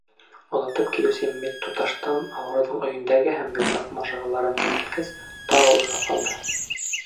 Оҙатып килеүсе медтуташтан ауырыуҙың өйөндәге һәм юлдағы мажараларын һөйләткәс, тағы уйға ҡалды.